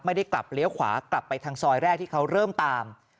ไม่ได้กลับเลี้ยวขวากลับไปทางซอยแรกที่เขาเริ่มตาม